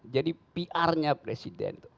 jadi pr nya presiden